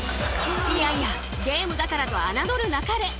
いやいやゲームだからと侮るなかれ。